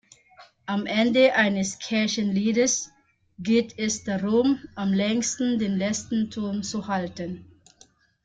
Am Ende eines Kirchenliedes geht es darum, am längsten den letzten Ton zu halten.